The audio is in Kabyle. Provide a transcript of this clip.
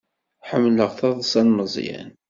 Ḥemmleɣ taḍsa n Meẓyan.